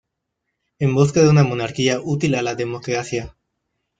En busca de una monarquía útil a la democracia".